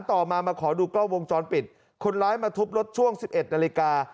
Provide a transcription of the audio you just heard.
ต่อมามาขอดูกล้องวงจรปิดคนร้ายมาทุบรถช่วง๑๑นาฬิกา